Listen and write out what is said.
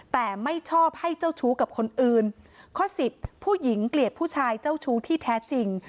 แต่ไม่ชอบให้เจ้าชู้กับคนอื่นข้อสิบผู้หญิงเกลียดผู้ชายเจ้าชู้ที่แท้จริง